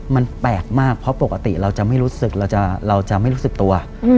มันแปลกมากเพราะปกติเราจะไม่รู้สึกเราจะไม่รู้สึกตัว